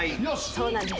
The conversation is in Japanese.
そうなんです。